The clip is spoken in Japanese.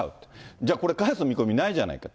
じゃあこれ返す見込みないじゃないかと。